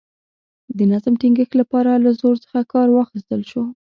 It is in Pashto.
د نظم ټینګښت لپاره له زور څخه کار واخیستل شو.